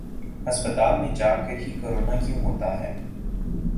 ہسپتال میں جاکر ہی کرونا کیوں ہوتا ہے ۔